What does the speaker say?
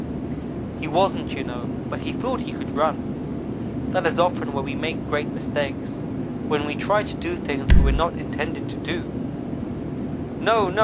"He wasn't, you know, but he thought he could run. That is often where we make great mistakes when we try to do things we were not intended to do. "'No no!'